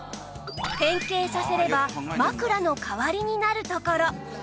変形させれば枕の代わりになるところ